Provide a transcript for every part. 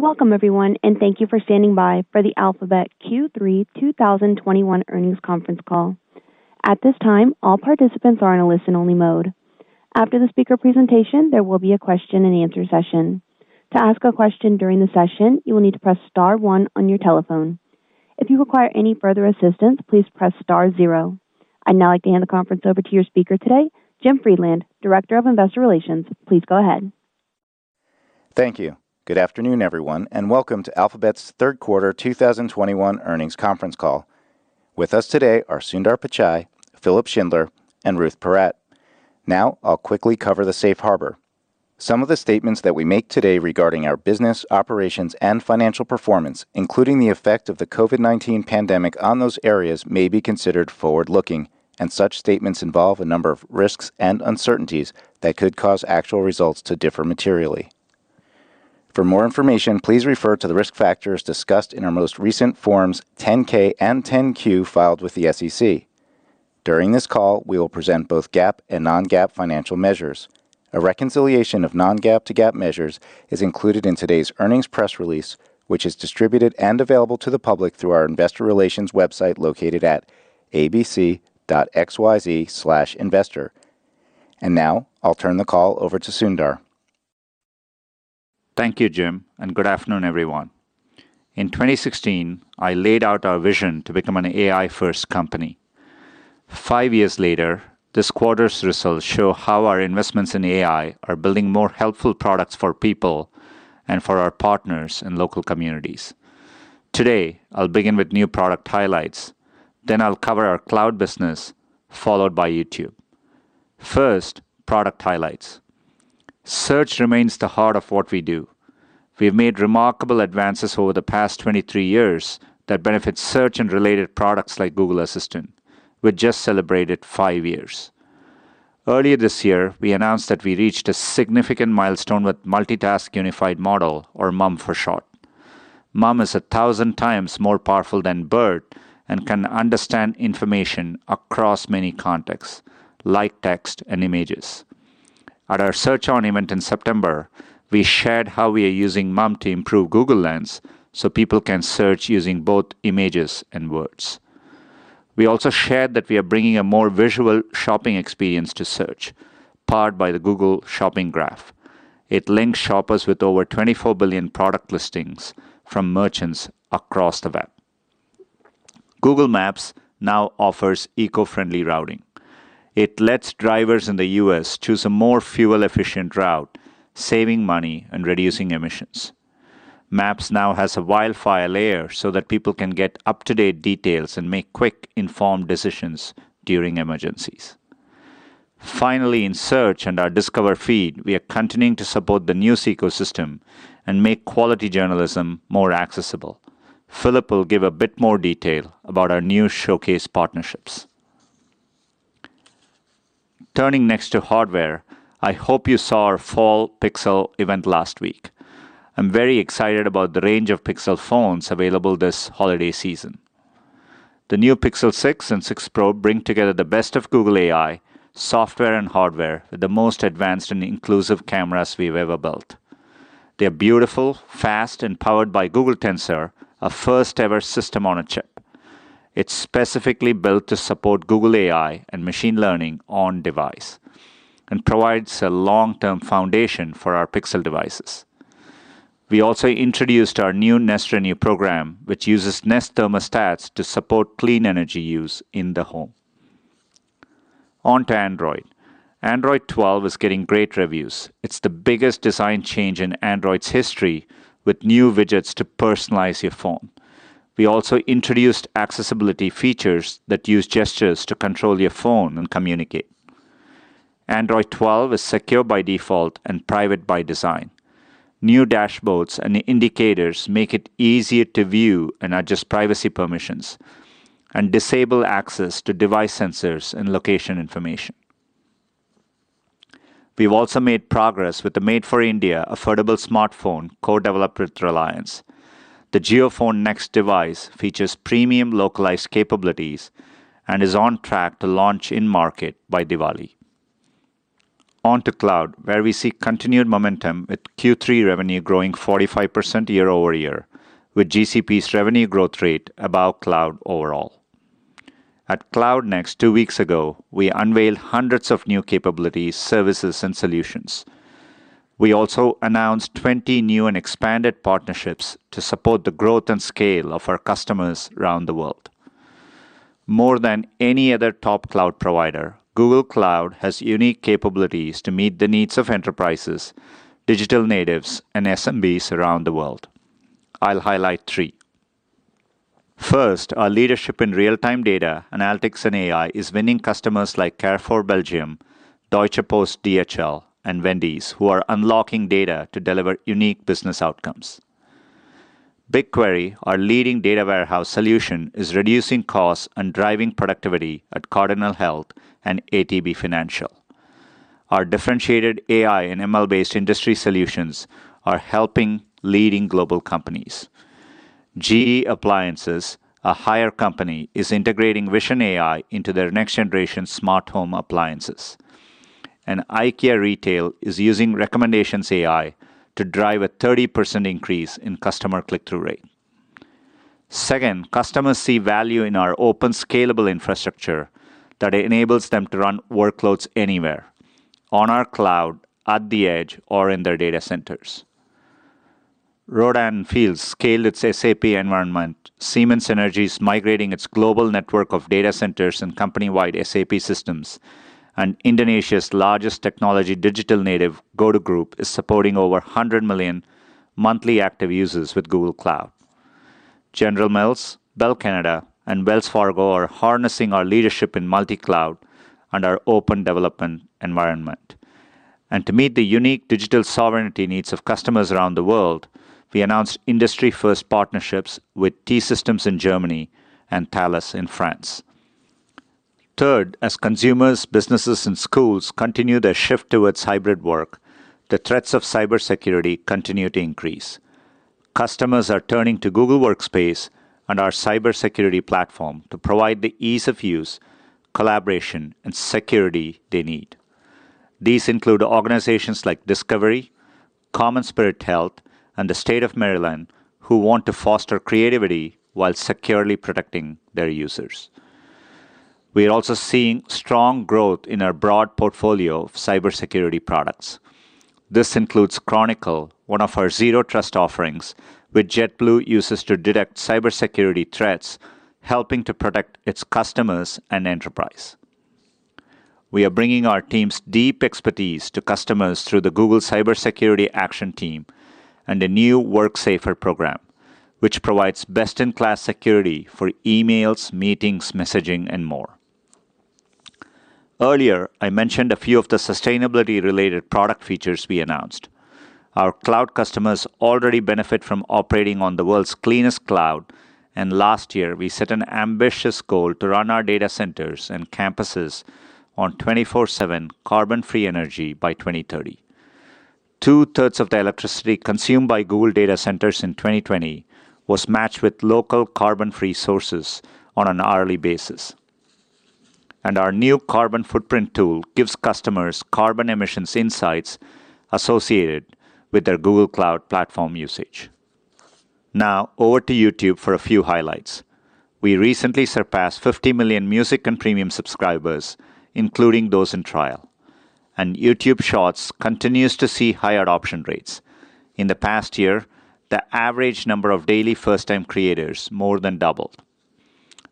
Welcome, everyone, and thank you for standing by for the Alphabet Q3 2021 earnings conference call. At this time, all participants are in a listen-only mode. After the speaker presentation, there will be a question-and-answer session. To ask a question during the session, you will need to press Star one on your telephone. If you require any further assistance, please press Star zero. I'd now like to hand the conference over to your speaker today, Jim Friedland, Director of Investor Relations. Please go ahead. Thank you. Good afternoon, everyone, and welcome to Alphabet's third quarter 2021 earnings conference call. With us today are Sundar Pichai, Philipp Schindler, and Ruth Porat. Now, I'll quickly cover the Safe Harbor. Some of the statements that we make today regarding our business, operations, and financial performance, including the effect of the COVID-19 pandemic on those areas, may be considered forward-looking, and such statements involve a number of risks and uncertainties that could cause actual results to differ materially. For more information, please refer to the risk factors discussed in our most recent forms 10-K and 10-Q filed with the SEC. During this call, we will present both GAAP and non-GAAP financial measures. A reconciliation of non-GAAP to GAAP measures is included in today's earnings press release, which is distributed and available to the public through our investor relations website located at abc.xyz/investor. And now, I'll turn the call over to Sundar. Thank you, Jim, and good afternoon, everyone. In 2016, I laid out our vision to become an AI-first company. Five years later, this quarter's results show how our investments in AI are building more helpful products for people and for our partners in local communities. Today, I'll begin with new product highlights, then I'll cover our cloud business, followed by YouTube. First, product highlights. Search remains the heart of what we do. We've made remarkable advances over the past 23 years that benefit search and related products like Google Assistant. We've just celebrated five years. Earlier this year, we announced that we reached a significant milestone with Multitask Unified Model, or MUM for short. MUM is a thousand times more powerful than BERT and can understand information across many contexts, like text and images. At our Search On event in September, we shared how we are using MUM to improve Google Lens so people can search using both images and words. We also shared that we are bringing a more visual shopping experience to search, powered by the Google Shopping Graph. It links shoppers with over 24 billion product listings from merchants across the web. Google Maps now offers eco-friendly routing. It lets drivers in the U.S. choose a more fuel-efficient route, saving money and reducing emissions. Maps now has a wildfire layer so that people can get up-to-date details and make quick, informed decisions during emergencies. Finally, in Search and our Discover feed, we are continuing to support the news ecosystem and make quality journalism more accessible. Philipp will give a bit more detail about our new News Showcase partnerships. Turning next to hardware, I hope you saw our fall Pixel event last week. I'm very excited about the range of Pixel phones available this holiday season. The new Pixel 6 and 6 Pro bring together the best of Google AI, software and hardware, with the most advanced and inclusive cameras we've ever built. They're beautiful, fast, and powered by Google Tensor, a first-ever system on a chip. It's specifically built to support Google AI and machine learning on-device and provides a long-term foundation for our Pixel devices. We also introduced our new Nest Renew program, which uses Nest thermostats to support clean energy use in the home. On to Android. Android 12 is getting great reviews. It's the biggest design change in Android's history, with new widgets to personalize your phone. We also introduced accessibility features that use gestures to control your phone and communicate. Android 12 is secure by default and private by design. New dashboards and indicators make it easier to view and adjust privacy permissions and disable access to device sensors and location information. We've also made progress with the made-for-India affordable smartphone co-developed with Reliance. The JioPhone Next device features premium localized capabilities and is on track to launch in-market by Diwali. On to Cloud, where we see continued momentum with Q3 revenue growing 45% year-over-year, with GCP's revenue growth rate above Cloud overall. At Cloud Next two weeks ago, we unveiled hundreds of new capabilities, services, and solutions. We also announced 20 new and expanded partnerships to support the growth and scale of our customers around the world. More than any other top cloud provider, Google Cloud has unique capabilities to meet the needs of enterprises, digital natives, and SMBs around the world. I'll highlight three. First, our leadership in real-time data, analytics, and AI is winning customers like Carrefour Belgium, Deutsche Post DHL, and Wendy's, who are unlocking data to deliver unique business outcomes. BigQuery, our leading data warehouse solution, is reducing costs and driving productivity at Cardinal Health and ATB Financial. Our differentiated AI and ML-based industry solutions are helping leading global companies. GE Appliances, a Haier company, is integrating Vision AI into their next-generation smart home appliances. And IKEA Retail is using Recommendations AI to drive a 30% increase in customer click-through rate. Second, customers see value in our open, scalable infrastructure that enables them to run workloads anywhere: on our cloud, at the edge, or in their data centers. Fields scaled its SAP environment, Siemens Energy is migrating its global network of data centers and company-wide SAP systems, and Indonesia's largest technology digital native, GoTo Group, is supporting over 100 million monthly active users with Google Cloud. General Mills, Bell Canada, and Wells Fargo are harnessing our leadership in multi-cloud and our open development environment and to meet the unique digital sovereignty needs of customers around the world, we announced industry-first partnerships with T-Systems in Germany and Thales in France. Third, as consumers, businesses, and schools continue their shift towards hybrid work, the threats of cybersecurity continue to increase. Customers are turning to Google Workspace and our cybersecurity platform to provide the ease of use, collaboration, and security they need. These include organizations like Discovery, CommonSpirit Health, and the State of Maryland, who want to foster creativity while securely protecting their users. We are also seeing strong growth in our broad portfolio of cybersecurity products. This includes Chronicle, one of our zero trust offerings, which JetBlue uses to detect cybersecurity threats, helping to protect its customers and enterprise. We are bringing our team's deep expertise to customers through the Google Cybersecurity Action Team and a new WorkSafer program, which provides best-in-class security for emails, meetings, messaging, and more. Earlier, I mentioned a few of the sustainability-related product features we announced. Our cloud customers already benefit from operating on the world's cleanest cloud, and last year, we set an ambitious goal to run our data centers and campuses on 24/7 carbon-free energy by 2030. Two-thirds of the electricity consumed by Google data centers in 2020 was matched with local carbon-free sources on an hourly basis, and our new Carbon Footprint tool gives customers carbon emissions insights associated with their Google Cloud Platform usage. Now, over to YouTube for a few highlights. We recently surpassed 50 million music and premium subscribers, including those in trial. YouTube Shorts continues to see high adoption rates. In the past year, the average number of daily first-time creators more than doubled.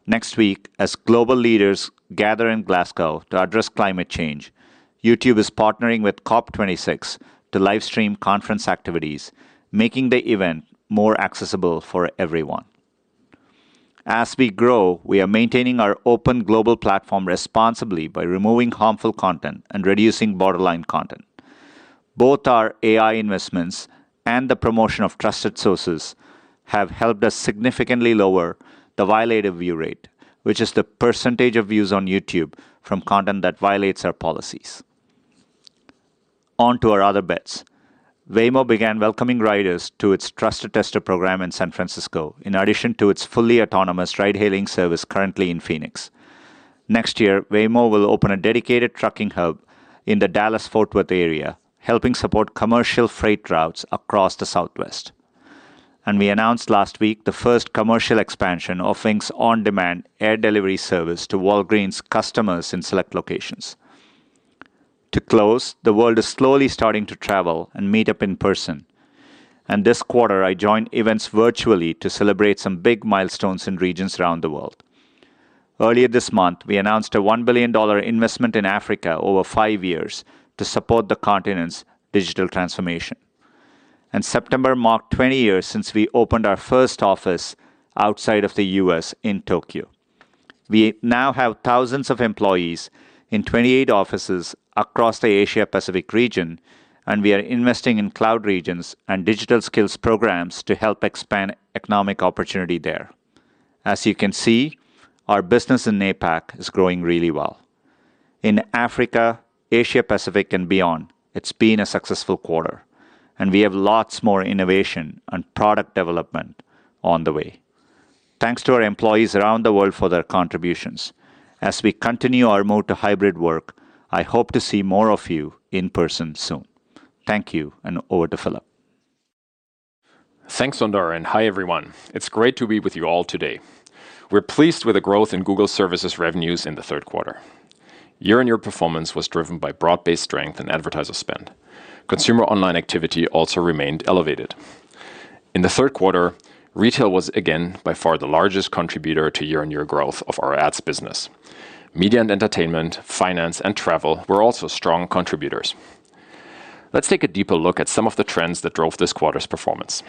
Next week, as global leaders gather in Glasgow to address climate change, YouTube is partnering with COP26 to livestream conference activities, making the event more accessible for everyone. As we grow, we are maintaining our open global platform responsibly by removing harmful content and reducing borderline content. Both our AI investments and the promotion of trusted sources have helped us significantly lower the violated view rate, which is the percentage of views on YouTube from content that violates our policies. On to our other bets. Waymo began welcoming riders to its Trusted Tester program in San Francisco, in addition to its fully autonomous ride-hailing service currently in Phoenix. Next year, Waymo will open a dedicated trucking hub in the Dallas-Fort Worth area, helping support commercial freight routes across the Southwest, and we announced last week the first commercial expansion of Wing's on-demand air delivery service to Walgreens customers in select locations. To close, the world is slowly starting to travel and meet up in person, and this quarter, I joined events virtually to celebrate some big milestones in regions around the world. Earlier this month, we announced a $1 billion investment in Africa over five years to support the continent's digital transformation, and September marked 20 years since we opened our first office outside of the U.S. in Tokyo. We now have thousands of employees in 28 offices across the Asia-Pacific region, and we are investing in cloud regions and digital skills programs to help expand economic opportunity there. As you can see, our business in APAC is growing really well. In Africa, Asia-Pacific, and beyond, it's been a successful quarter. And we have lots more innovation and product development on the way. Thanks to our employees around the world for their contributions. As we continue our move to hybrid work, I hope to see more of you in person soon. Thank you, and over to Philipp. Thanks, Sundar, and hi, everyone. It's great to be with you all today. We're pleased with the growth in Google services revenues in the third quarter. Year-on-year performance was driven by broad-based strength and advertiser spend. Consumer online activity also remained elevated. In the third quarter, retail was again by far the largest contributor to year-on-year growth of our ads business. Media and entertainment, finance, and travel were also strong contributors. Let's take a deeper look at some of the trends that drove this quarter's performance.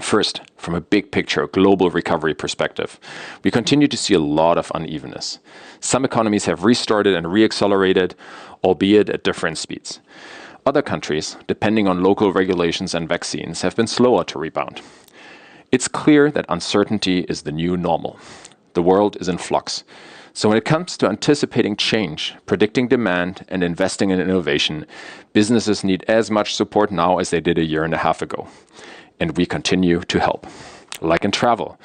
First, from a big picture, global recovery perspective, we continue to see a lot of unevenness. Some economies have restarted and reaccelerated, albeit at different speeds. Other countries, depending on local regulations and vaccines, have been slower to rebound. It's clear that uncertainty is the new normal. The world is in flux. So when it comes to anticipating change, predicting demand, and investing in innovation, businesses need as much support now as they did a year and a half ago. And we continue to help. Like in travel,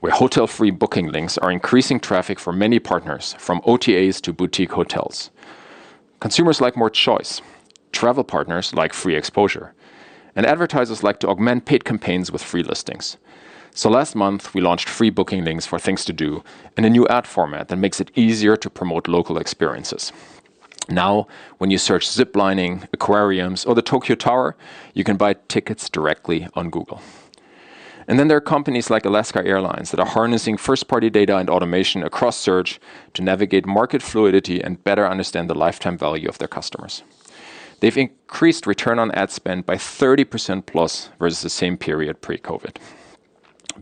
where free hotel booking links are increasing traffic for many partners, from OTAs to boutique hotels. Consumers like more choice. Travel partners like free exposure. And advertisers like to augment paid campaigns with free listings. So last month, we launched free booking links for Things to do and a new ad format that makes it easier to promote local experiences. Now, when you search zip lining, aquariums, or the Tokyo Tower, you can buy tickets directly on Google. And then there are companies like Alaska Airlines that are harnessing first-party data and automation across search to navigate market fluidity and better understand the lifetime value of their customers. They've increased return on ad spend by 30% plus versus the same period pre-COVID.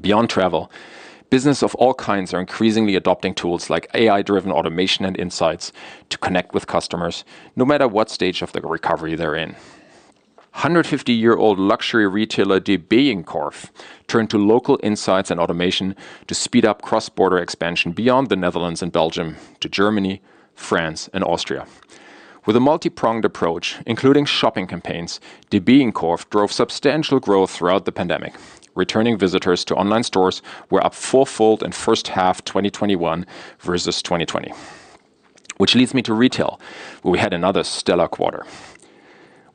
Beyond travel, businesses of all kinds are increasingly adopting tools like AI-driven automation and insights to connect with customers, no matter what stage of the recovery they're in. 150-year-old luxury retailer De Bijenkorf turned to local insights and automation to speed up cross-border expansion beyond the Netherlands and Belgium to Germany, France, and Austria. With a multi-pronged approach, including shopping campaigns, De Bijenkorf drove substantial growth throughout the pandemic. Returning visitors to online stores were up four-fold in the first half of 2021 versus 2020. Which leads me to retail, where we had another stellar quarter.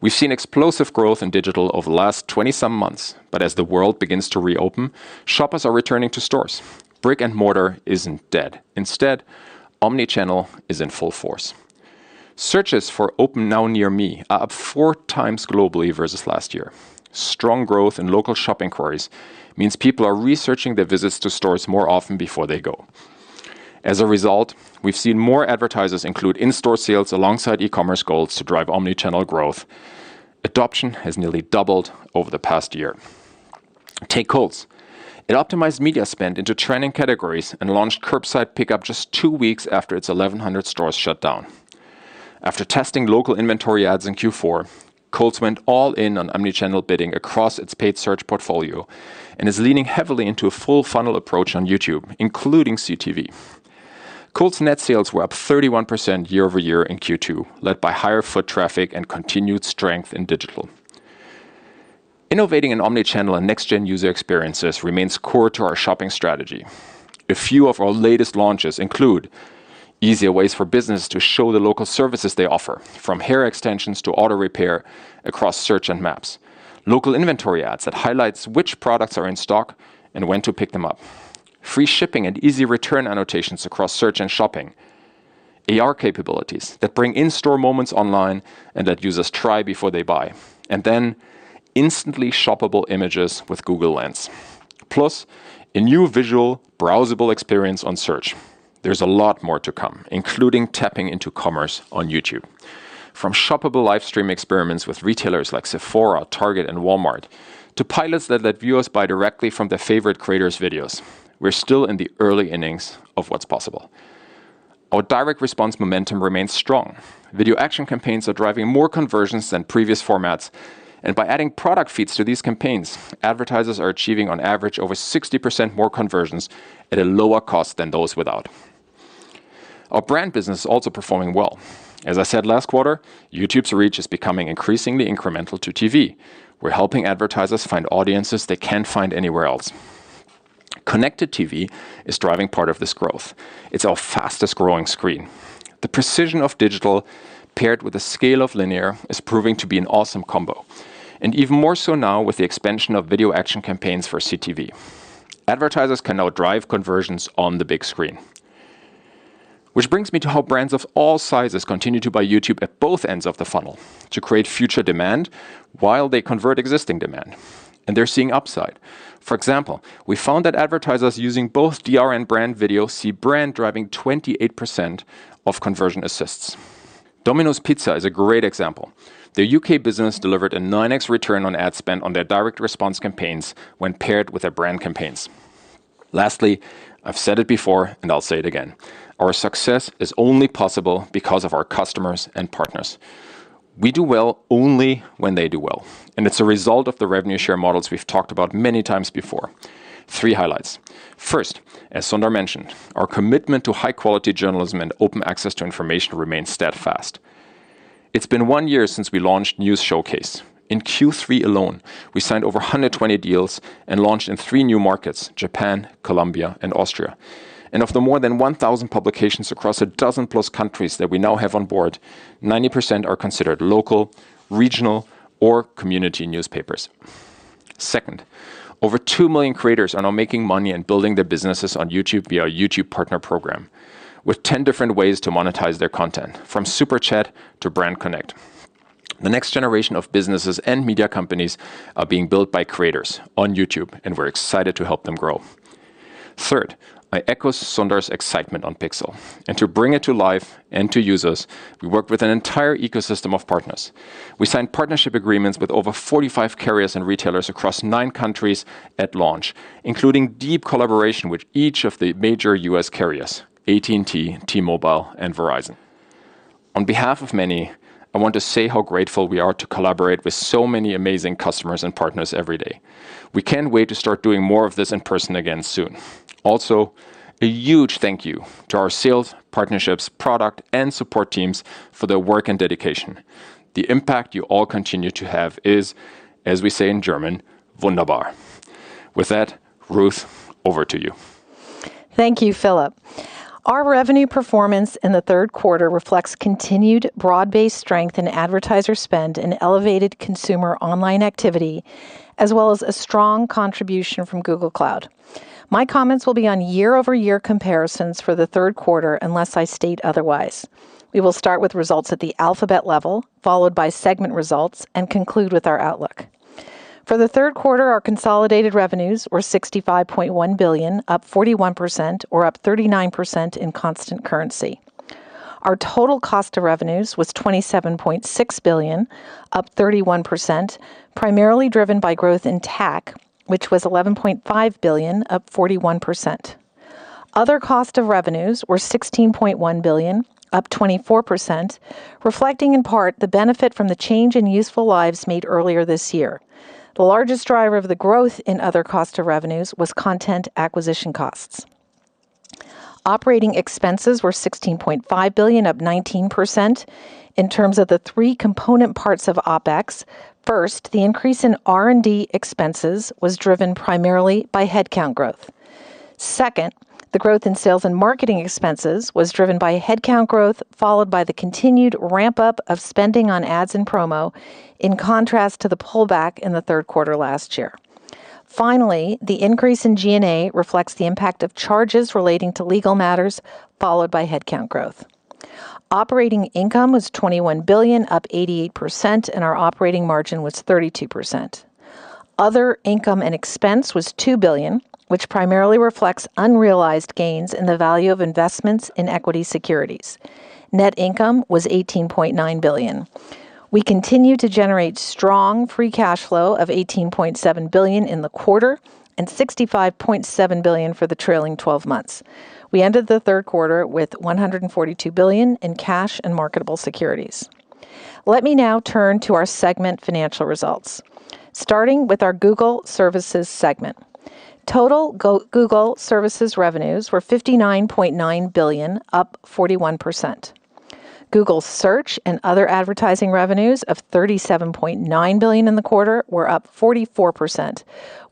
We've seen explosive growth in digital over the last 20-some months. But as the world begins to reopen, shoppers are returning to stores. Brick and mortar isn't dead. Instead, omnichannel is in full force. Searches for "Open Now Near Me" are up four times globally versus last year. Strong growth in local shopping queries means people are researching their visits to stores more often before they go. As a result, we've seen more advertisers include in-store sales alongside e-commerce goals to drive omnichannel growth. Adoption has nearly doubled over the past year. Take Coles. It optimized media spend into trending categories and launched curbside pickup just two weeks after its 1,100 stores shut down. After testing local inventory ads in Q4, Coles went all in on omnichannel bidding across its paid search portfolio and is leaning heavily into a full-funnel approach on YouTube, including CTV. Coles' net sales were up 31% year-over-year in Q2, led by higher foot traffic and continued strength in digital. Innovating in omnichannel and next-gen user experiences remains core to our shopping strategy. A few of our latest launches include easier ways for businesses to show the local services they offer, from hair extensions to auto repair across search and maps. Local inventory ads that highlight which products are in stock and when to pick them up. Free shipping and easy return annotations across search and shopping. AR capabilities that bring in-store moments online and let users try before they buy, and then instantly shoppable images with Google Lens. Plus, a new visual browsable experience on search. There's a lot more to come, including tapping into commerce on YouTube. From shoppable livestream experiments with retailers like Sephora, Target, and Walmart, to pilots that let viewers buy directly from their favorite creators' videos, we're still in the early innings of what's possible. Our direct response momentum remains strong. Video action campaigns are driving more conversions than previous formats. By adding product feeds to these campaigns, advertisers are achieving, on average, over 60% more conversions at a lower cost than those without. Our brand business is also performing well. As I said last quarter, YouTube's reach is becoming increasingly incremental to TV. We're helping advertisers find audiences they can't find anywhere else. Connected TV is driving part of this growth. It's our fastest-growing screen. The precision of digital paired with the scale of linear is proving to be an awesome combo, and even more so now with the expansion of video action campaigns for CTV. Advertisers can now drive conversions on the big screen. Which brings me to how brands of all sizes continue to buy YouTube at both ends of the funnel to create future demand while they convert existing demand. They're seeing upside. For example, we found that advertisers using both DR and brand video see brand driving 28% of conversion assists. Domino's Pizza is a great example. Their U.K. business delivered a 9X return on ad spend on their direct response campaigns when paired with their brand campaigns. Lastly, I've said it before, and I'll say it again. Our success is only possible because of our customers and partners. We do well only when they do well. And it's a result of the revenue share models we've talked about many times before. Three highlights. First, as Sundar mentioned, our commitment to high-quality journalism and open access to information remains steadfast. It's been one year since we launched News Showcase. In Q3 alone, we signed over 120 deals and launched in three new markets: Japan, Colombia, and Austria. And of the more than 1,000 publications across a dozen-plus countries that we now have on board, 90% are considered local, regional, or community newspapers. Second, over 2 million creators are now making money and building their businesses on YouTube via our YouTube Partner Program, with 10 different ways to monetize their content, from Super Chat to BrandConnect. The next generation of businesses and media companies are being built by creators on YouTube, and we're excited to help them grow. Third, I echo Sundar's excitement on Pixel. And to bring it to life and to users, we worked with an entire ecosystem of partners. We signed partnership agreements with over 45 carriers and retailers across nine countries at launch, including deep collaboration with each of the major U.S. carriers: AT&T, T-Mobile, and Verizon. On behalf of many, I want to say how grateful we are to collaborate with so many amazing customers and partners every day. We can't wait to start doing more of this in person again soon. Also, a huge thank you to our sales, partnerships, product, and support teams for their work and dedication. The impact you all continue to have is, as we say in German, wunderbar. With that, Ruth, over to you. Thank you, Philipp. Our revenue performance in the third quarter reflects continued broad-based strength in advertiser spend and elevated consumer online activity, as well as a strong contribution from Google Cloud. My comments will be on year-over-year comparisons for the third quarter, unless I state otherwise. We will start with results at the Alphabet level, followed by segment results, and conclude with our outlook. For the third quarter, our consolidated revenues were $65.1 billion, up 41%, or up 39% in constant currency. Our total cost of revenues was $27.6 billion, up 31%, primarily driven by growth in TAC, which was $11.5 billion, up 41%. Other cost of revenues were $16.1 billion, up 24%, reflecting in part the benefit from the change in useful lives made earlier this year. The largest driver of the growth in other cost of revenues was content acquisition costs. Operating expenses were $16.5 billion, up 19%, in terms of the three component parts of OpEx. First, the increase in R&D expenses was driven primarily by headcount growth. Second, the growth in sales and marketing expenses was driven by headcount growth, followed by the continued ramp-up of spending on ads and promo, in contrast to the pullback in the third quarter last year. Finally, the increase in G&A reflects the impact of charges relating to legal matters, followed by headcount growth. Operating income was $21 billion, up 88%, and our operating margin was 32%. Other income and expense was $2 billion, which primarily reflects unrealized gains in the value of investments in equity securities. Net income was $18.9 billion. We continue to generate strong free cash flow of $18.7 billion in the quarter and $65.7 billion for the trailing 12 months. We ended the third quarter with $142 billion in cash and marketable securities. Let me now turn to our segment financial results, starting with our Google Services segment. Total Google Services revenues were $59.9 billion, up 41%. Google Search and other advertising revenues of $37.9 billion in the quarter were up 44%,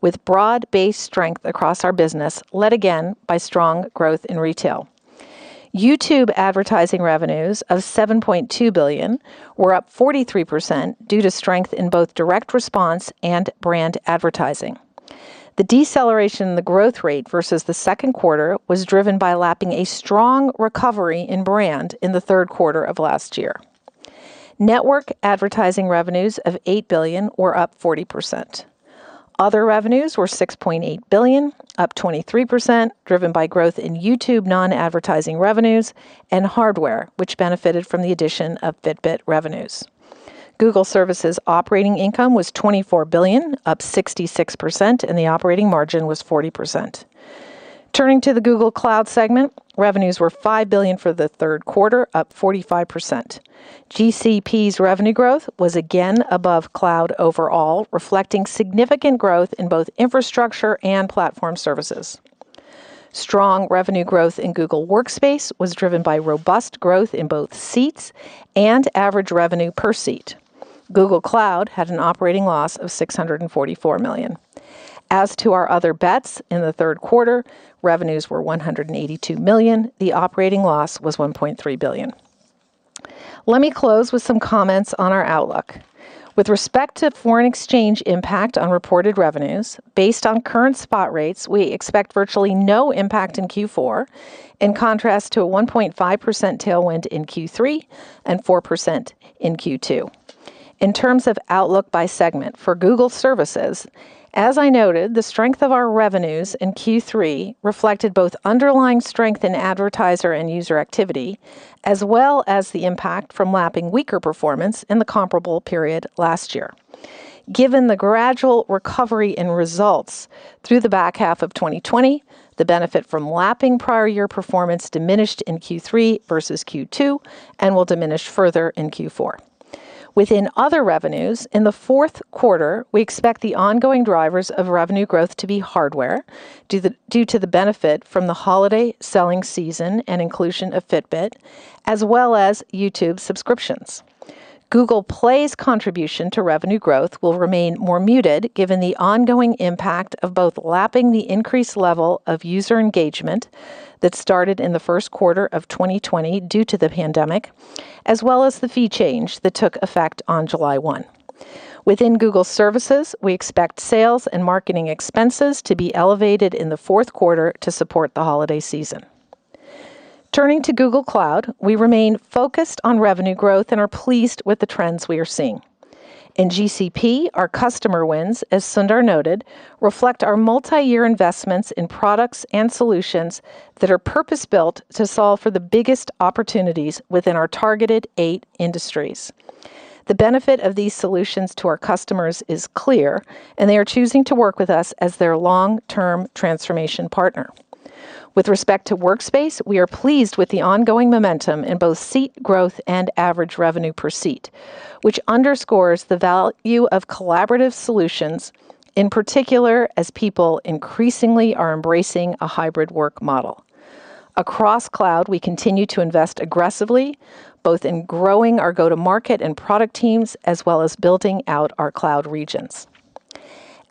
with broad-based strength across our business, led again by strong growth in retail. YouTube advertising revenues of $7.2 billion were up 43% due to strength in both direct response and brand advertising. The deceleration in the growth rate versus the second quarter was driven by lapping a strong recovery in brand in the third quarter of last year. Network advertising revenues of $8 billion were up 40%. Other revenues were $6.8 billion, up 23%, driven by growth in YouTube non-advertising revenues and hardware, which benefited from the addition of Fitbit revenues. Google Services operating income was $24 billion, up 66%, and the operating margin was 40%. Turning to the Google Cloud segment, revenues were $5 billion for the third quarter, up 45%. GCP's revenue growth was again above Cloud overall, reflecting significant growth in both infrastructure and platform services. Strong revenue growth in Google Workspace was driven by robust growth in both seats and average revenue per seat. Google Cloud had an operating loss of $644 million. As to our other bets in the third quarter, revenues were $182 million. The operating loss was $1.3 billion. Let me close with some comments on our outlook. With respect to foreign exchange impact on reported revenues, based on current spot rates, we expect virtually no impact in Q4, in contrast to a 1.5% tailwind in Q3 and 4% in Q2. In terms of outlook by segment for Google Services, as I noted, the strength of our revenues in Q3 reflected both underlying strength in advertiser and user activity, as well as the impact from lapping weaker performance in the comparable period last year. Given the gradual recovery in results through the back half of 2020, the benefit from lapping prior-year performance diminished in Q3 versus Q2 and will diminish further in Q4. Within other revenues, in the fourth quarter, we expect the ongoing drivers of revenue growth to be hardware due to the benefit from the holiday selling season and inclusion of Fitbit, as well as YouTube subscriptions. Google Play's contribution to revenue growth will remain more muted given the ongoing impact of both lapping the increased level of user engagement that started in the first quarter of 2020 due to the pandemic, as well as the fee change that took effect on July 1. Within Google Services, we expect sales and marketing expenses to be elevated in the fourth quarter to support the holiday season. Turning to Google Cloud, we remain focused on revenue growth and are pleased with the trends we are seeing. In GCP, our customer wins, as Sundar noted, reflect our multi-year investments in products and solutions that are purpose-built to solve for the biggest opportunities within our targeted eight industries. The benefit of these solutions to our customers is clear, and they are choosing to work with us as their long-term transformation partner. With respect to Workspace, we are pleased with the ongoing momentum in both seat growth and average revenue per seat, which underscores the value of collaborative solutions, in particular as people increasingly are embracing a hybrid work model. Across Cloud, we continue to invest aggressively, both in growing our go-to-market and product teams, as well as building out our Cloud regions.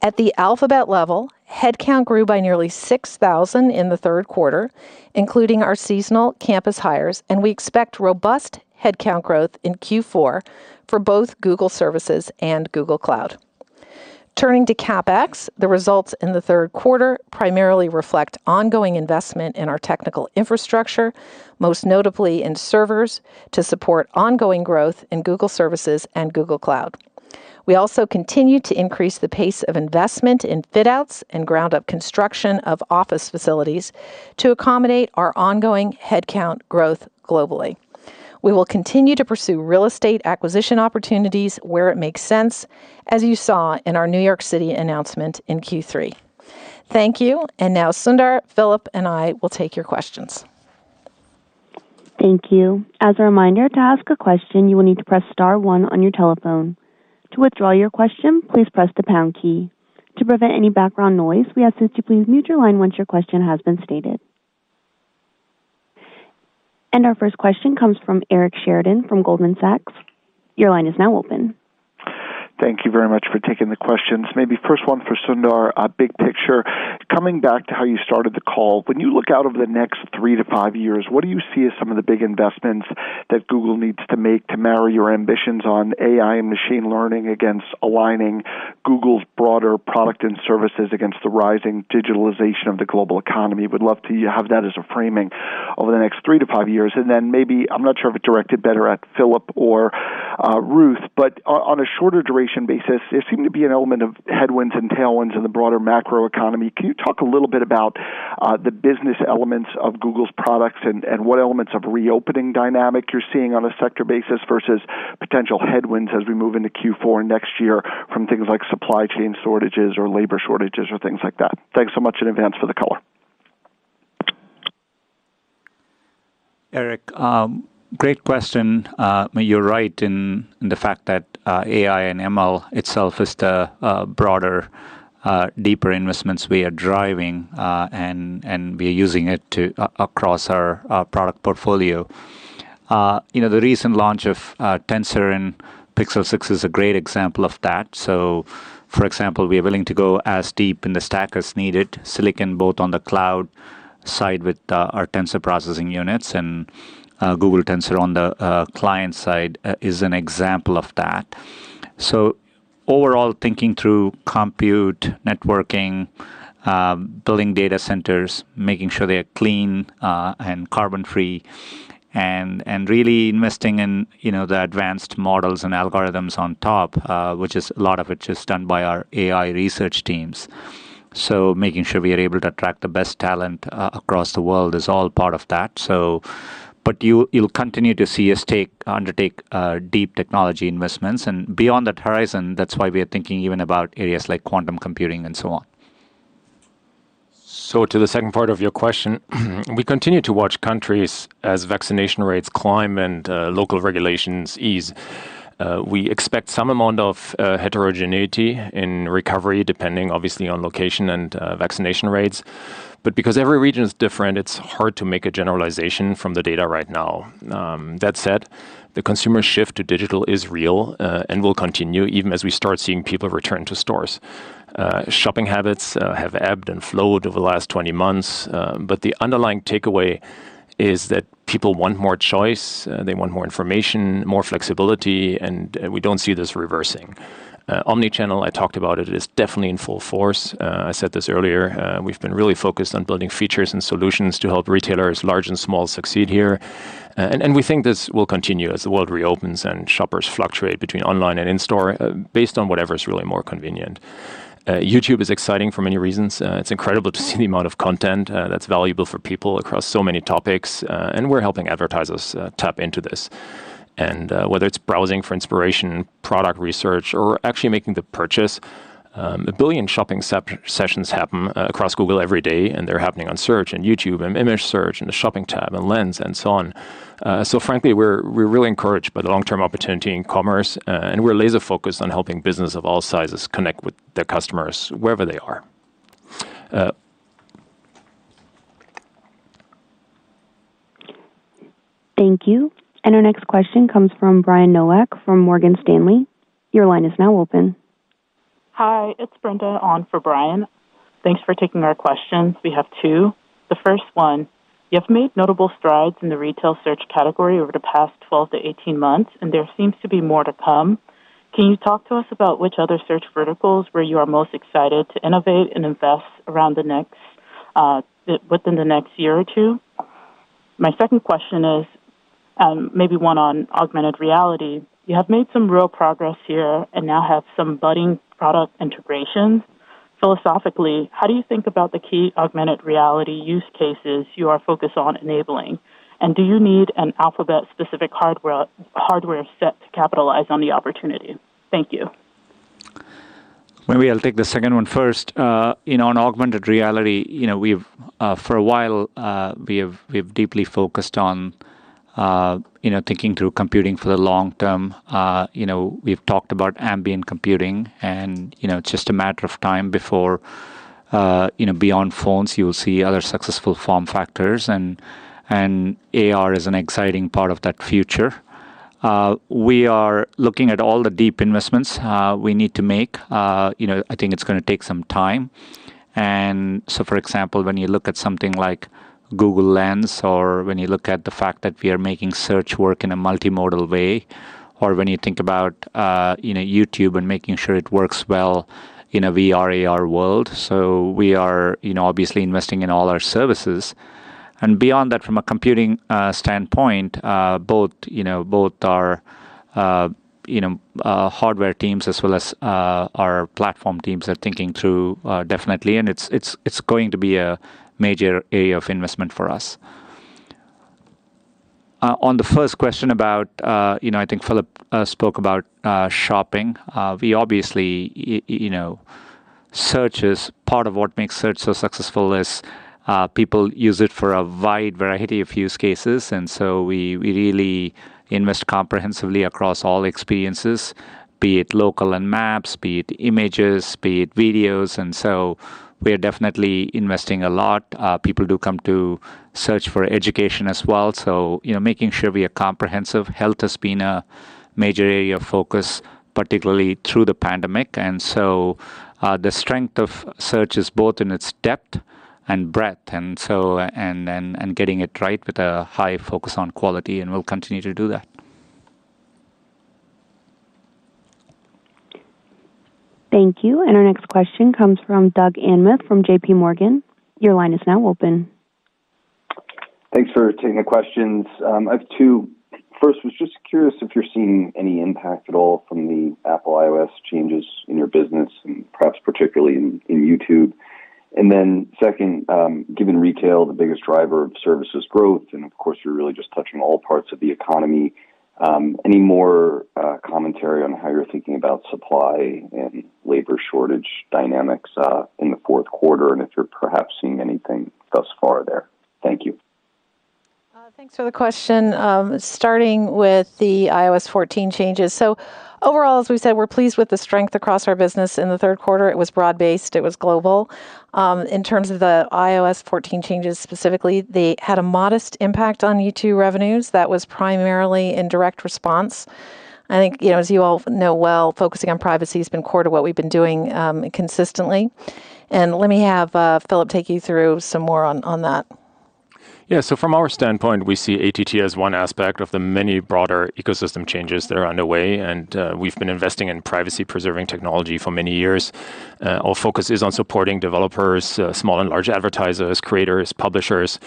At the Alphabet level, headcount grew by nearly 6,000 in the third quarter, including our seasonal campus hires, and we expect robust headcount growth in Q4 for both Google Services and Google Cloud. Turning to CapEx, the results in the third quarter primarily reflect ongoing investment in our technical infrastructure, most notably in servers, to support ongoing growth in Google Services and Google Cloud. We also continue to increase the pace of investment in fit-outs and ground-up construction of office facilities to accommodate our ongoing headcount growth globally. We will continue to pursue real estate acquisition opportunities where it makes sense, as you saw in our New York City announcement in Q3. Thank you. And now, Sundar, Philipp, and I will take your questions. Thank you. As a reminder, to ask a question, you will need to press Star one on your telephone. To withdraw your question, please press the Pound key. To prevent any background noise, we ask that you please mute your line once your question has been stated. And our first question comes from Eric Sheridan from Goldman Sachs. Your line is now open. Thank you very much for taking the questions. Maybe first one for Sundar, a big picture. Coming back to how you started the call, when you look out over the next three to five years, what do you see as some of the big investments that Google needs to make to marry your ambitions on AI and machine learning against aligning Google's broader product and services against the rising digitalization of the global economy? We'd love to have that as a framing over the next three to five years, and then maybe I'm not sure if it directed better at Philipp or Ruth, but on a shorter duration basis, there seemed to be an element of headwinds and tailwinds in the broader macro economy. Can you talk a little bit about the business elements of Google's products and what elements of reopening dynamic you're seeing on a sector basis versus potential headwinds as we move into Q4 next year from things like supply chain shortages or labor shortages or things like that? Thanks so much in advance for the color. Eric, great question. You're right in the fact that AI and ML itself is the broader, deeper investments we are driving, and we are using it across our product portfolio. The recent launch of Tensor and Pixel 6 is a great example of that. So, for example, we are willing to go as deep in the stack as needed, silicon both on the Cloud side with our Tensor processing units, and Google Tensor on the client side is an example of that. So, overall, thinking through compute, networking, building data centers, making sure they are clean and carbon-free, and really investing in the advanced models and algorithms on top, which is a lot of it just done by our AI Research Teams. So, making sure we are able to attract the best talent across the world is all part of that. But you'll continue to see us undertake deep technology investments. And beyond that horizon, that's why we are thinking even about areas like quantum computing and so on. To the second part of your question, we continue to watch countries as vaccination rates climb and local regulations ease. We expect some amount of heterogeneity in recovery, depending obviously on location and vaccination rates. Because every region is different, it's hard to make a generalization from the data right now. That said, the consumer shift to digital is real and will continue even as we start seeing people return to stores. Shopping habits have ebbed and flowed over the last 20 months, but the underlying takeaway is that people want more choice. They want more information, more flexibility, and we don't see this reversing. Omnichannel, I talked about it, is definitely in full force. I said this earlier. We've been really focused on building features and solutions to help retailers large and small succeed here. We think this will continue as the world reopens and shoppers fluctuate between online and in-store based on whatever is really more convenient. YouTube is exciting for many reasons. It's incredible to see the amount of content that's valuable for people across so many topics, and we're helping advertisers tap into this. Whether it's browsing for inspiration, product research, or actually making the purchase, a billion shopping sessions happen across Google every day, and they're happening on Search and YouTube and Image Search and the Shopping tab and Lens and so on. Frankly, we're really encouraged by the long-term opportunity in commerce, and we're laser-focused on helping businesses of all sizes connect with their customers wherever they are. Thank you. And our next question comes from Brian Nowak from Morgan Stanley. Your line is now open. Hi, it's Brenda Ahn for Brian. Thanks for taking our questions. We have two. The first one, you have made notable strides in the retail search category over the past 12-18 months, and there seems to be more to come. Can you talk to us about which other search verticals where you are most excited to innovate and invest around within the next year or two? My second question is maybe one on augmented reality. You have made some real progress here and now have some budding product integrations. Philosophically, how do you think about the key augmented reality use cases you are focused on enabling? And do you need an Alphabet-specific hardware set to capitalize on the opportunity? Thank you. Maybe I'll take the second one first. On augmented reality, for a while, we have deeply focused on thinking through computing for the long-term. We've talked about ambient computing, and it's just a matter of time before beyond phones, you will see other successful form factors, and AR is an exciting part of that future. We are looking at all the deep investments we need to make. I think it's going to take some time. And so, for example, when you look at something like Google Lens or when you look at the fact that we are making search work in a multimodal way, or when you think about YouTube and making sure it works well in a VR/AR world. So, we are obviously investing in all our services. And beyond that, from a computing standpoint, both our hardware teams as well as our platform teams are thinking through definitely, and it's going to be a major area of investment for us. On the first question about, I think Philipp spoke about Shopping. Search is part of what makes search so successful as people use it for a wide variety of use cases, and so we really invest comprehensively across all experiences, be it local and maps, be it images, be it videos. And so, we are definitely investing a lot. People do come to search for education as well. So, making sure we are comprehensive has just been a major area of focus, particularly through the pandemic. And so, the strength of search is both in its depth and breadth, and getting it right with a high focus on quality, and we'll continue to do that. Thank you. Our next question comes from Doug Anmuth from JP Morgan. Your line is now open. Thanks for taking the questions. I have two. First, I was just curious if you're seeing any impact at all from the Apple iOS changes in your business, perhaps particularly in YouTube. And then second, given retail is the biggest driver of services growth, and of course, you're really just touching all parts of the economy, any more commentary on how you're thinking about supply and labor shortage dynamics in the fourth quarter, and if you're perhaps seeing anything thus far there? Thank you. Thanks for the question. Starting with the iOS 14 changes. So, overall, as we said, we're pleased with the strength across our business in the third quarter. It was broad-based. It was global. In terms of the iOS 14 changes specifically, they had a modest impact on YouTube revenues. That was primarily in Direct Response. I think, as you all know well, focusing on privacy has been core to what we've been doing consistently. And let me have Philipp take you through some more on that. Yeah, so from our standpoint, we see ATT as one aspect of the many broader ecosystem changes that are underway, and we've been investing in privacy-preserving technology for many years. Our focus is on supporting developers, small and large advertisers, creators, publishers,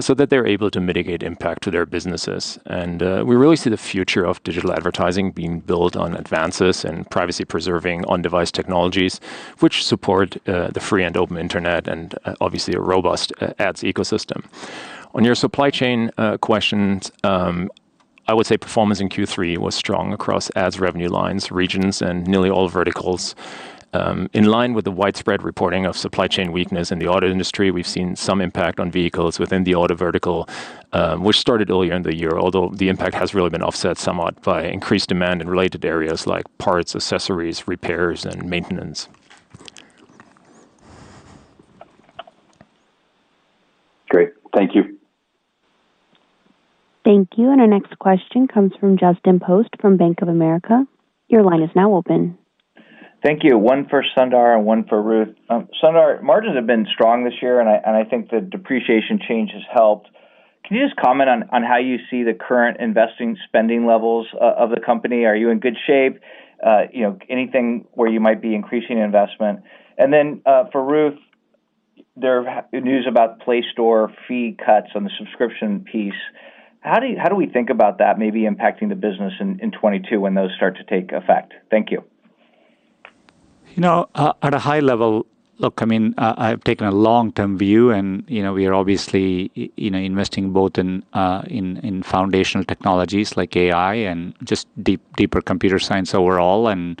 so that they're able to mitigate impact to their businesses, and we really see the future of digital advertising being built on advances in privacy-preserving on-device technologies, which support the free and open internet and obviously a robust ads ecosystem. On your supply chain questions, I would say performance in Q3 was strong across ads revenue lines, regions, and nearly all verticals. In line with the widespread reporting of supply chain weakness in the auto industry, we've seen some impact on vehicles within the auto vertical, which started earlier in the year, although the impact has really been offset somewhat by increased demand in related areas like parts, accessories, repairs, and maintenance. Great. Thank you. Thank you. And our next question comes from Justin Post from Bank of America. Your line is now open. Thank you. One for Sundar and one for Ruth. Sundar, margins have been strong this year, and I think the depreciation change has helped. Can you just comment on how you see the current investing spending levels of the company? Are you in good shape? Anything where you might be increasing investment? And then for Ruth, there are news about Play Store fee cuts on the subscription piece. How do we think about that maybe impacting the business in 2022 when those start to take effect? Thank you. You know, at a high level, look, I mean, I've taken a long-term view, and we are obviously investing both in foundational technologies like AI and just deeper computer science overall and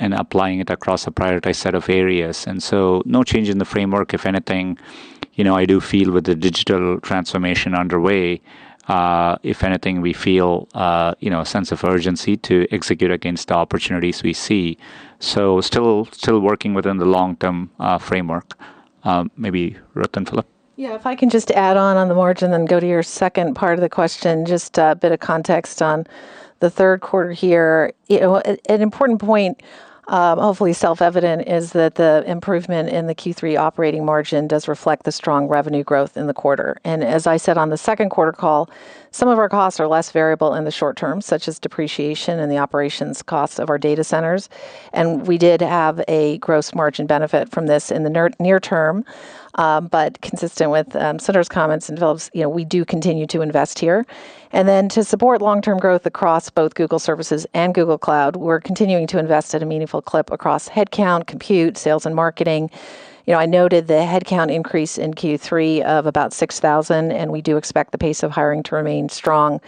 applying it across a prioritized set of areas. And so, no change in the framework. If anything, I do feel with the digital transformation underway, if anything, we feel a sense of urgency to execute against the opportunities we see. So, still working within the long-term framework. Maybe Ruth and Philipp? Yeah. If I can just add on to the margin and go to your second part of the question, just a bit of context on the third quarter here. An important point, hopefully self-evident, is that the improvement in the Q3 operating margin does reflect the strong revenue growth in the quarter. And as I said on the second quarter call, some of our costs are less variable in the short term, such as depreciation and the operations costs of our data centers. And we did have a gross margin benefit from this in the near-term, but consistent with Sundar's comments and Philipp's, we do continue to invest here. And then to support long-term growth across both Google Services and Google Cloud, we're continuing to invest at a meaningful clip across headcount, compute, sales, and marketing. I noted the headcount increase in Q3 of about 6,000, and we do expect the pace of hiring to remain strong.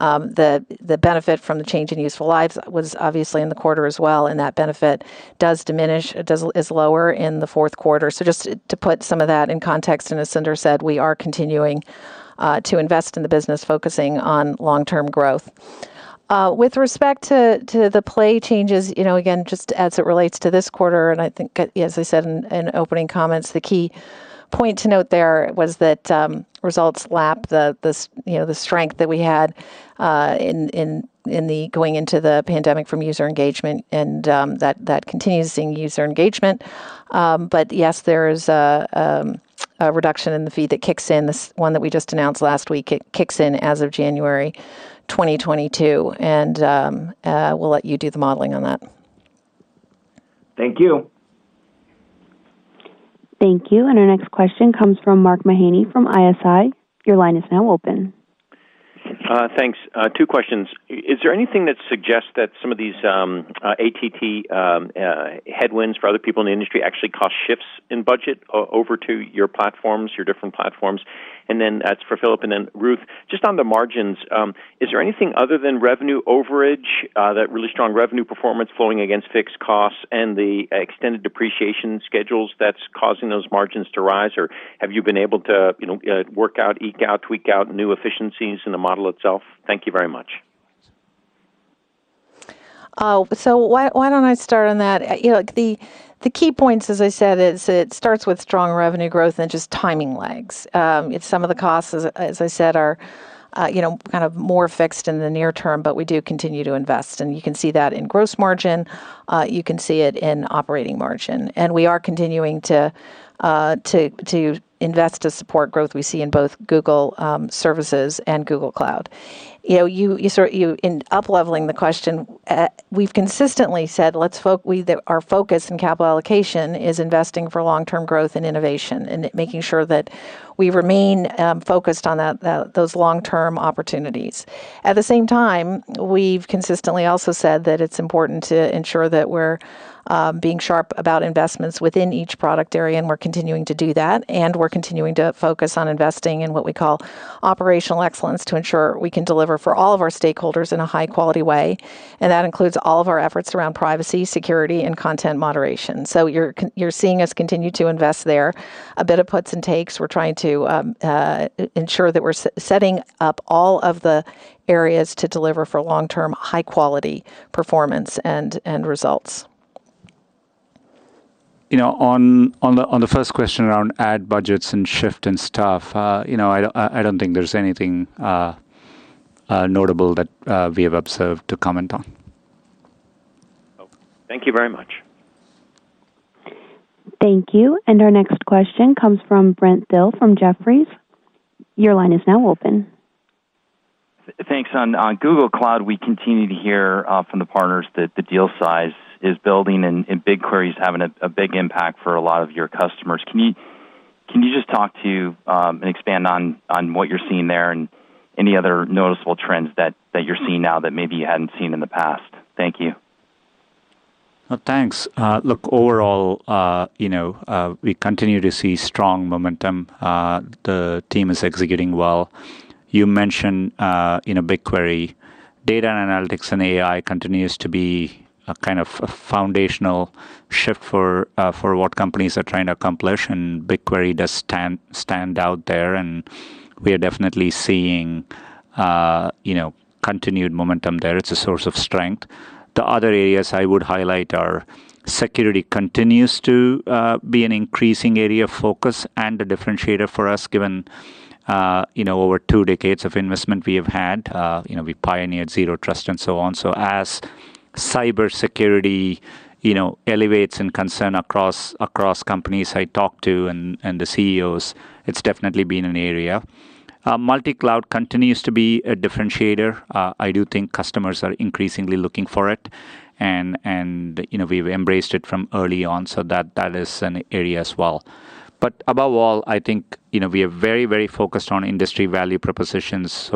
The benefit from the change in useful lives was obviously in the quarter as well, and that benefit does diminish, is lower in the fourth quarter, so just to put some of that in context, and as Sundar said, we are continuing to invest in the business, focusing on long-term growth. With respect to the Play changes, again, just as it relates to this quarter, and I think, as I said in opening comments, the key point to note there was that results lap the strength that we had in going into the pandemic from user engagement, and that continues seeing user engagement, but yes, there is a reduction in the fee that kicks in, the one that we just announced last week. It kicks in as of January 2022, and we'll let you do the modeling on that. Thank you. Thank you. And our next question comes from Mark Mahaney from ISI. Your line is now open. Thanks. Two questions. Is there anything that suggests that some of these ATT headwinds for other people in the industry actually cause shifts in budget over to your platforms, your different platforms? And then that's for Philipp. And then Ruth, just on the margins, is there anything other than revenue overage, that really strong revenue performance flowing against fixed costs and the extended depreciation schedules that's causing those margins to rise, or have you been able to work out, eke out, tweak out new efficiencies in the model itself? Thank you very much. So, why don't I start on that? The key points, as I said, is it starts with strong revenue growth and just timing lags. Some of the costs, as I said, are kind of more fixed in the near term, but we do continue to invest, and you can see that in gross margin. You can see it in operating margin, and we are continuing to invest to support growth we see in both Google services and Google Cloud. In up-leveling the question, we've consistently said our focus in capital allocation is investing for long-term growth and innovation and making sure that we remain focused on those long-term opportunities. At the same time, we've consistently also said that it's important to ensure that we're being sharp about investments within each product area, and we're continuing to do that, and we're continuing to focus on investing in what we call operational excellence to ensure we can deliver for all of our stakeholders in a high-quality way, and that includes all of our efforts around privacy, security, and content moderation, so you're seeing us continue to invest there. A bit of puts and takes. We're trying to ensure that we're setting up all of the areas to deliver for long-term high-quality performance and results. On the first question around ad budgets and shift and stuff, I don't think there's anything notable that we have observed to comment on. Thank you very much. Thank you. And our next question comes from Brent Thill from Jefferies. Your line is now open. Thanks. On Google Cloud, we continue to hear from the partners that the deal size is building, and BigQuery is having a big impact for a lot of your customers. Can you just talk to and expand on what you're seeing there and any other noticeable trends that you're seeing now that maybe you hadn't seen in the past? Thank you. Thanks. Look, overall, we continue to see strong momentum. The team is executing well. You mentioned BigQuery. Data and analytics and AI continues to be kind of a foundational shift for what companies are trying to accomplish, and BigQuery does stand out there. And we are definitely seeing continued momentum there. It's a source of strength. The other areas I would highlight are security continues to be an increasing area of focus and a differentiator for us, given over two decades of investment we have had. We pioneered zero trust and so on. So, as cybersecurity elevates in concern across companies I talk to and the CEOs, it's definitely been an area. Multi-cloud continues to be a differentiator. I do think customers are increasingly looking for it, and we've embraced it from early on, so that is an area as well. But above all, I think we are very, very focused on industry value propositions,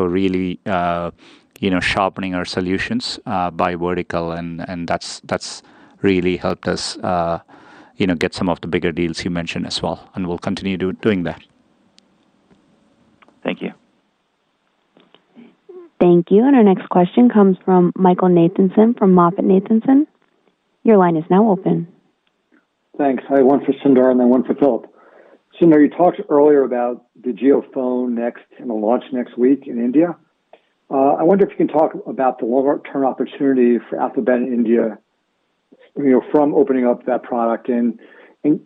so really sharpening our solutions by vertical, and that's really helped us get some of the bigger deals you mentioned as well. And we'll continue doing that. Thank you. Thank you. And our next question comes from Michael Nathanson from MoffettNathanson. Your line is now open. Thanks. I have one for Sundar and then one for Philipp. Sundar, you talked earlier about the JioPhone Next and the launch next week in India. I wonder if you can talk about the longer-term opportunity for Alphabet in India from opening up that product in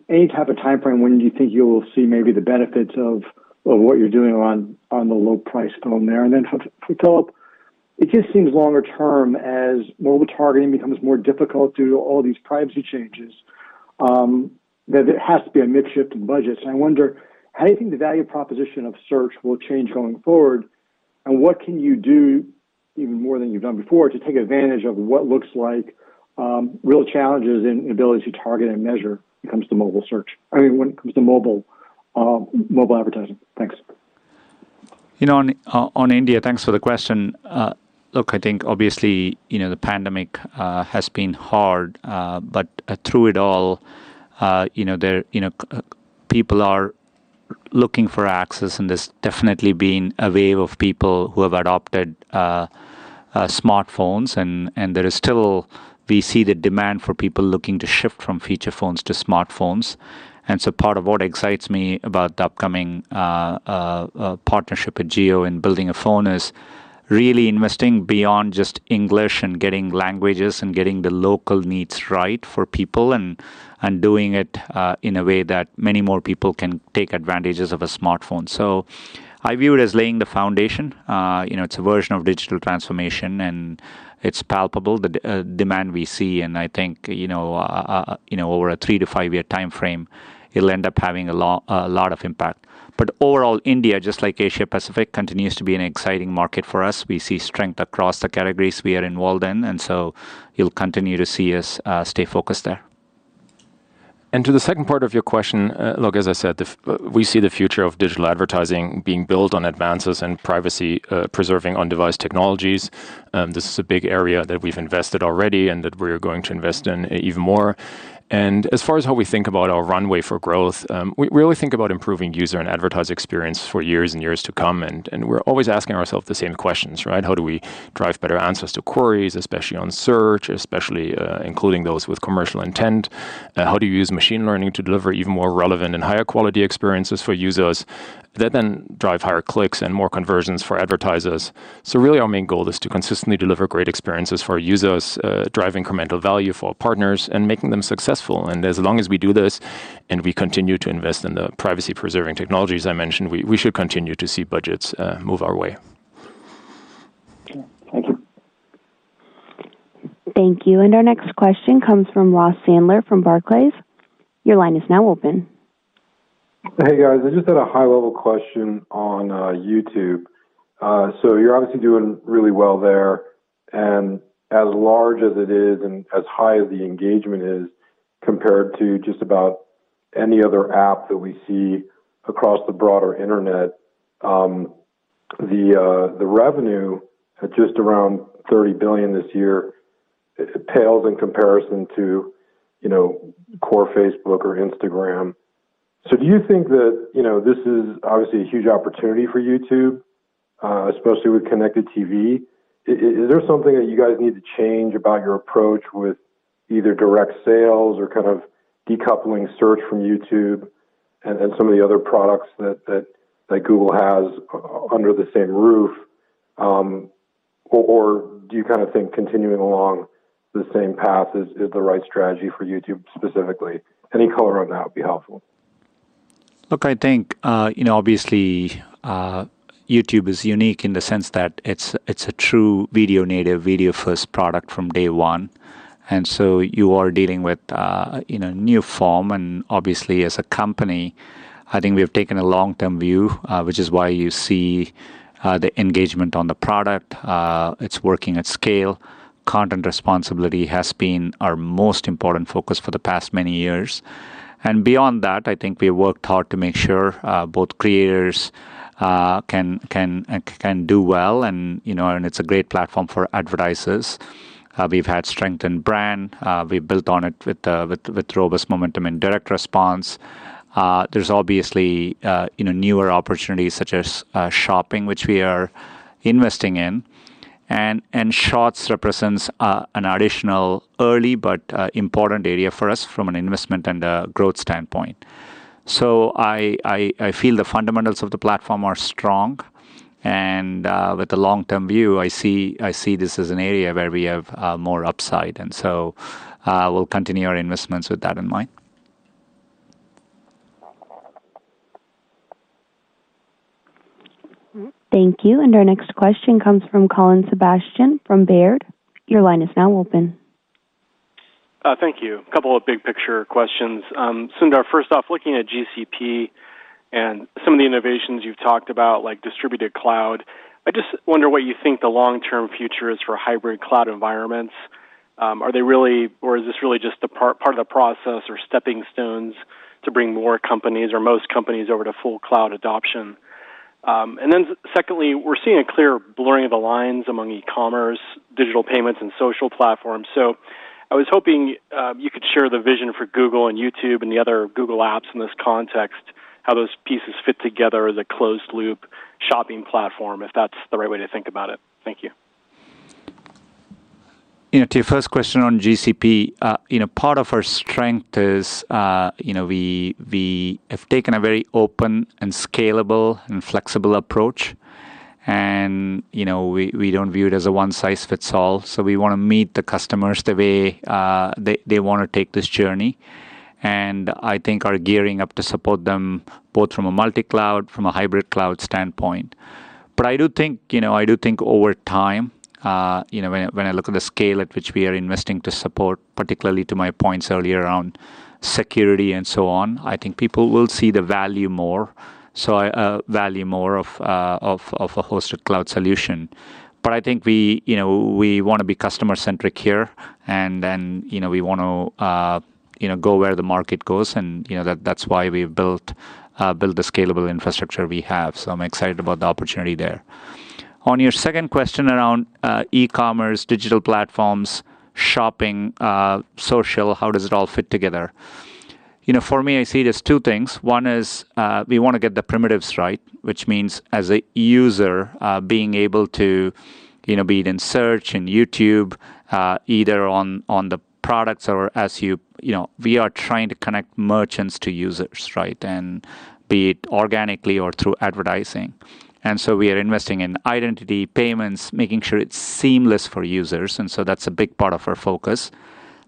any type of time frame when you think you will see maybe the benefits of what you're doing on the low-price phone there. And then for Philipp, it just seems longer term as mobile targeting becomes more difficult due to all these privacy changes that there has to be a mind shift in budgets. I wonder, how do you think the value proposition of search will change going forward, and what can you do even more than you've done before to take advantage of what looks like real challenges in ability to target and measure when it comes to mobile search, I mean, when it comes to mobile advertising? Thanks. On India, thanks for the question. Look, I think obviously the pandemic has been hard, but through it all, people are looking for access, and there's definitely been a wave of people who have adopted smartphones, and there is still, we see the demand for people looking to shift from feature phones to smartphones, and so part of what excites me about the upcoming partnership with Jio in building a phone is really investing beyond just English and getting languages and getting the local needs right for people and doing it in a way that many more people can take advantages of a smartphone, so I view it as laying the foundation. It's a version of digital transformation, and it's palpable, the demand we see, and I think over a three to five-year time frame, it'll end up having a lot of impact. But overall, India, just like Asia-Pacific, continues to be an exciting market for us. We see strength across the categories we are involved in, and so you'll continue to see us stay focused there. And to the second part of your question, look, as I said, we see the future of digital advertising being built on advances and privacy-preserving on-device technologies. This is a big area that we've invested already and that we're going to invest in even more. And as far as how we think about our runway for growth, we really think about improving user and advertiser experience for years and years to come. And we're always asking ourselves the same questions, right? How do we drive better answers to queries, especially on search, especially including those with commercial intent? How do you use machine learning to deliver even more relevant and higher quality experiences for users that then drive higher clicks and more conversions for advertisers? So really, our main goal is to consistently deliver great experiences for users, drive incremental value for our partners, and make them successful. As long as we do this and we continue to invest in the privacy-preserving technologies I mentioned, we should continue to see budgets move our way. Thank you. Thank you. Our next question comes from Ross Sandler from Barclays. Your line is now open. Hey, guys. I just had a high-level question on YouTube. So you're obviously doing really well there. And as large as it is and as high as the engagement is compared to just about any other app that we see across the broader internet, the revenue at just around $30 billion this year pales in comparison to core Facebook or Instagram. So do you think that this is obviously a huge opportunity for YouTube, especially with connected TV? Is there something that you guys need to change about your approach with either direct sales or kind of decoupling search from YouTube and some of the other products that Google has under the same roof? Or do you kind of think continuing along the same path is the right strategy for YouTube specifically? Any color on that would be helpful. Look, I think obviously YouTube is unique in the sense that it's a true video-native video-first product from day one, and so you are dealing with a new form, and obviously, as a company, I think we have taken a long-term view, which is why you see the engagement on the product. It's working at scale. Content responsibility has been our most important focus for the past many years, and beyond that, I think we have worked hard to make sure both creators can do well, and it's a great platform for advertisers. We've had strengthened brand. We've built on it with robust momentum and direct response. There's obviously newer opportunities such as shopping, which we are investing in, and Shorts represents an additional early but important area for us from an investment and a growth standpoint, so I feel the fundamentals of the platform are strong. With a long-term view, I see this as an area where we have more upside. And so we'll continue our investments with that in mind. Thank you. And our next question comes from Colin Sebastian from Baird. Your line is now open. Thank you. A couple of big picture questions. Sundar, first off, looking at GCP and some of the innovations you've talked about, like Distributed Cloud, I just wonder what you think the long-term future is for hybrid cloud environments. Are they really, or is this really just part of the process or stepping stones to bring more companies or most companies over to full cloud adoption? And then secondly, we're seeing a clear blurring of the lines among e-commerce, digital payments, and social platforms. So I was hoping you could share the vision for Google and YouTube and the other Google apps in this context, how those pieces fit together as a closed-loop shopping platform, if that's the right way to think about it. Thank you. To your first question on GCP, part of our strength is we have taken a very open and scalable and flexible approach. And we don't view it as a one-size-fits-all. So we want to meet the customers the way they want to take this journey. And I think our gearing up to support them both from a multi-cloud, from a hybrid cloud standpoint. But I do think over time, when I look at the scale at which we are investing to support, particularly to my points earlier around security and so on, I think people will see the value more, so value more of a hosted cloud solution. But I think we want to be customer-centric here, and then we want to go where the market goes. And that's why we've built the scalable infrastructure we have. So I'm excited about the opportunity there. On your second question around e-commerce, digital platforms, shopping, social, how does it all fit together? For me, I see it as two things. One is we want to get the primitives right, which means as a user being able to be in search and YouTube either on the products or as you we are trying to connect merchants to users, right, and be it organically or through advertising. And so we are investing in identity, payments, making sure it's seamless for users. And so that's a big part of our focus.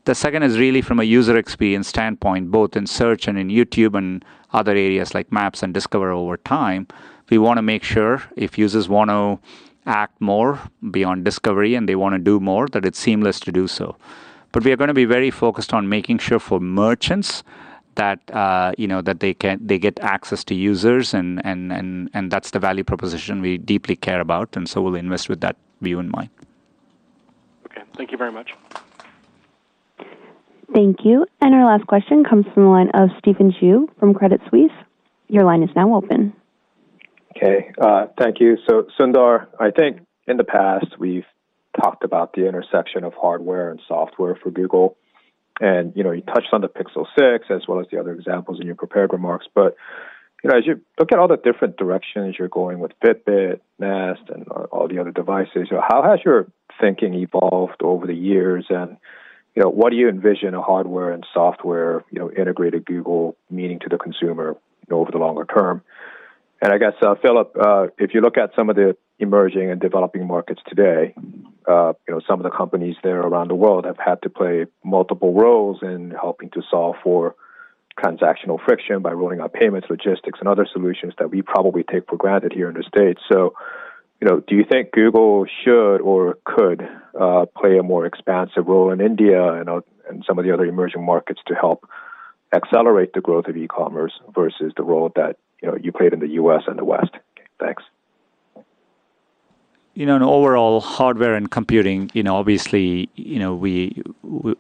The second is really from a user experience standpoint, both in search and in YouTube and other areas like Maps and Discover over time. We want to make sure if users want to act more beyond Discovery and they want to do more, that it's seamless to do so. But we are going to be very focused on making sure for merchants that they get access to users, and that's the value proposition we deeply care about. And so we'll invest with that view in mind. Okay. Thank you very much. Thank you. And our last question comes from the line of Stephen Ju from Credit Suisse. Your line is now open. Okay. Thank you. So Sundar, I think in the past, we've talked about the intersection of hardware and software for Google. And you touched on the Pixel 6 as well as the other examples in your prepared remarks. But as you look at all the different directions you're going with Fitbit, Nest, and all the other devices, how has your thinking evolved over the years? And what do you envision a hardware and software integrated Google meaning to the consumer over the longer term? And I guess, Philipp, if you look at some of the emerging and developing markets today, some of the companies there around the world have had to play multiple roles in helping to solve for transactional friction by rolling out payments, logistics, and other solutions that we probably take for granted here in the States. So do you think Google should or could play a more expansive role in India and some of the other emerging markets to help accelerate the growth of e-commerce versus the role that you played in the U.S. and the West? Thanks. In overall hardware and computing, obviously, we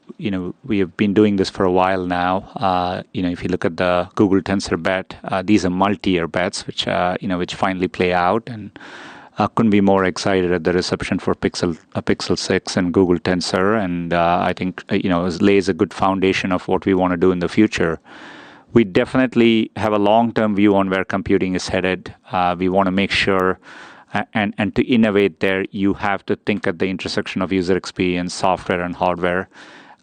have been doing this for a while now. If you look at the Google Tensor bet, these are multi-year bets which finally play out. And I couldn't be more excited at the reception for Pixel 6 and Google Tensor. And I think it lays a good foundation of what we want to do in the future. We definitely have a long-term view on where computing is headed. We want to make sure and to innovate there, you have to think at the intersection of user experience, software, and hardware.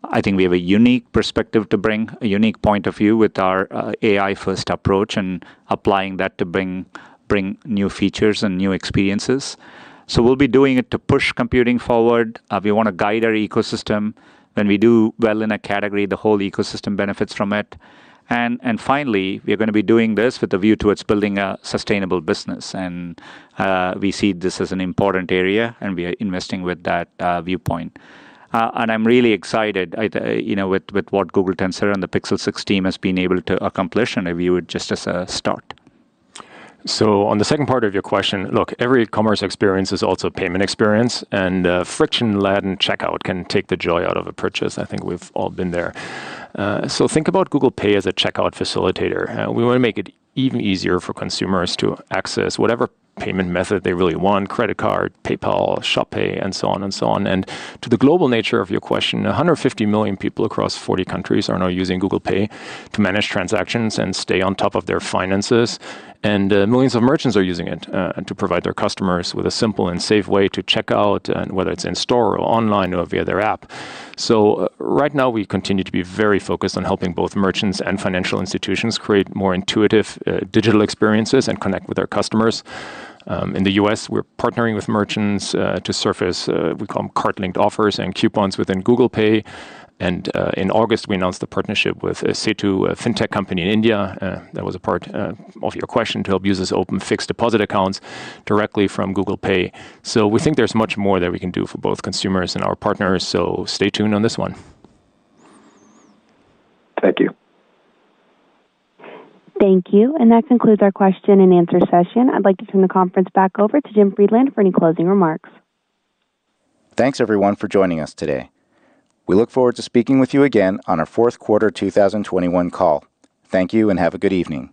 I think we have a unique perspective to bring, a unique point of view with our AI-first approach and applying that to bring new features and new experiences. So we'll be doing it to push computing forward. We want to guide our ecosystem. When we do well in a category, the whole ecosystem benefits from it. And finally, we're going to be doing this with a view to building a sustainable business. And we see this as an important area, and we are investing with that viewpoint. And I'm really excited with what Google Tensor and the Pixel 6 team has been able to accomplish and view it just as a start. So on the second part of your question, look, every commerce experience is also a payment experience. And friction-laden checkout can take the joy out of a purchase. I think we've all been there. So think about Google Pay as a checkout facilitator. We want to make it even easier for consumers to access whatever payment method they really want: credit card, PayPal, Shop Pay, and so on and so on. And to the global nature of your question, 150 million people across 40 countries are now using Google Pay to manage transactions and stay on top of their finances. And millions of merchants are using it to provide their customers with a simple and safe way to check out, whether it's in store or online or via their app. Right now, we continue to be very focused on helping both merchants and financial institutions create more intuitive digital experiences and connect with their customers. In the U.S., we're partnering with merchants to surface what we call card-linked offers and coupons within Google Pay. In August, we announced the partnership with a Setu fintech company in India that was a part of your question to help users open fixed deposit accounts directly from Google Pay. We think there's much more that we can do for both consumers and our partners. Stay tuned on this one. Thank you. Thank you. And that concludes our question and answer session. I'd like to turn the conference back over to Jim Friedland for any closing remarks. Thanks, everyone, for joining us today. We look forward to speaking with you again on our fourth quarter 2021 call. Thank you and have a good evening.